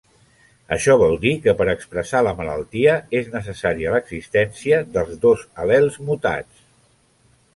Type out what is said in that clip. Això vol dir que per expressar la malaltia, és necessària l'existència dels dos al·lels mutats.